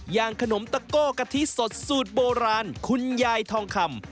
อย่างขนมตะโก้กะทิสดสูตรโบราณคุณยายทองคำ